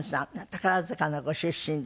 宝塚のご出身です。